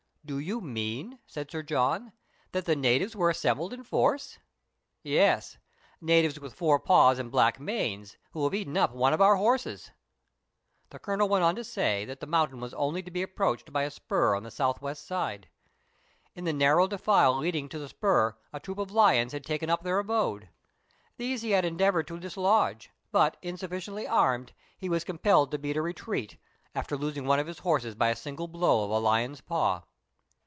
" Do you mean," said Sir John, " that the natives were assembled in force .''"" Yes, natives with four paws and black manes, who have eaten up one of our horses." The Colonel went on to say that the mountain was only to be approached by a spur on the south west side. In the narrow defile leading to the spur a troop of lions had taken up their abode. These he had endeavoured to dislodge, but, insufficiently armed, he was compelled to beat a retreat, after losing one of his horses by a single blow of a lion's paw.